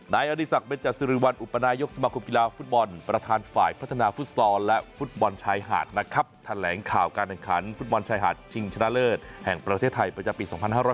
อริสักสิริวัลอุปนายกสมาคมกีฬาฟุตบอลประธานฝ่ายพัฒนาฟุตซอลและฟุตบอลชายหาดนะครับแถลงข่าวการแข่งขันฟุตบอลชายหาดชิงชนะเลิศแห่งประเทศไทยประจำปี๒๕๕๙